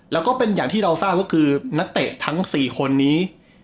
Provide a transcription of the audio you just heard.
แล้วก็เป็นอย่างที่เราทราบก็คือนักเตะทั้ง๔คนนี้